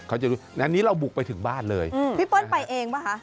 เขาจะรู้อันนี้เราบุกไปถึงบ้านเลยพี่เปิ้ลไปเองป่ะคะ